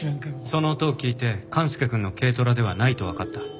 その音を聞いて勘介くんの軽トラではないとわかった。